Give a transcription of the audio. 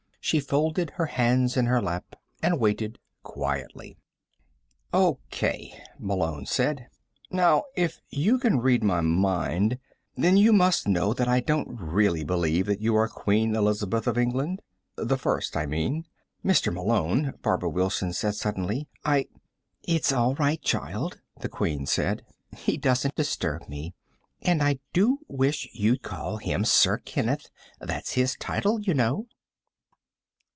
She folded her hands in her lap and waited quietly. "O.K.," Malone said. "Now, if you can read my mind, then you must know that I don't really believe that you are Queen Elizabeth of England. The First, I mean." "Mr. Malone," Barbara Wilson said suddenly. "I " "It's all right, child," the Queen said. "He doesn't disturb me. And I do wish you'd call him Sir Kenneth. That's his title, you know."